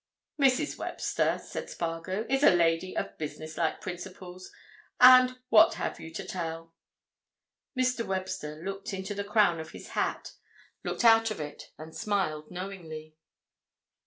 "Mrs. Webster," said Spargo, "is a lady of businesslike principles. And what have you to tell?" Mr. Webster looked into the crown of his hat, looked out of it, and smiled knowingly.